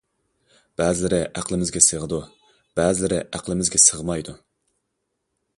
بەزىلىرى ئەقلىمىزگە سىغىدۇ، بەزىلىرى ئەقلىمىزگە سىغمايدۇ.